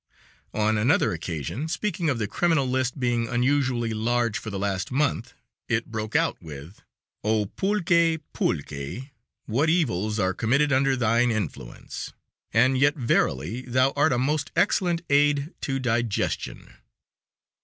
On another occasion, speaking of the criminal list being unusually large for the last month, it broke out with: "Oh, pulque, pulque, what evils are committed under thine influence! And yet, verily, thou art a most excellent aid to digestion."